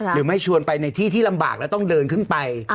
หรือไม่ชวนไปในที่ลำบากแล้วต้องเดินขึ้นไป